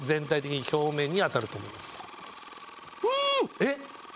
えっ？